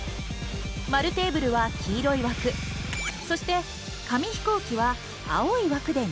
丸テーブルは黄色い枠そして紙飛行機は青い枠で認識。